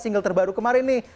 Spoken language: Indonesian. single terbaru kemarin nih